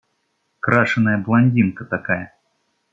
Крашеная блондинка такая.